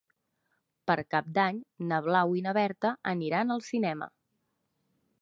Per Cap d'Any na Blau i na Berta aniran al cinema.